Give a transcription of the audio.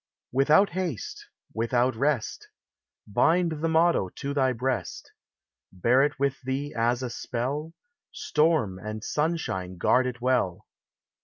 M Without haste ! without rest ! Bind the motto to thy breast ; Bear it with thee as a spell : Storm and sunshine guard it well